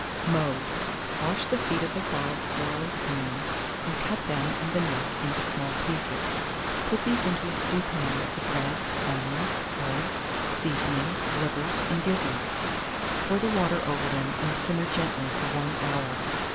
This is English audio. Mode. Wash the feet of the fowls thoroughly clean, and cut them and the neck into small pieces. Put these into a stewpan with the bread, onion, herbs, seasoning, livers, and gizzards; pour the water over them and simmer gently for 1 hour.